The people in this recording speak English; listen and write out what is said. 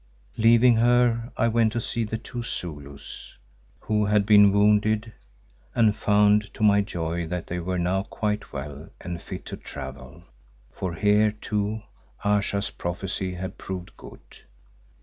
Leaving her I went to see the two Zulus who had been wounded and found to my joy that they were now quite well and fit to travel, for here, too, Ayesha's prophecy had proved good.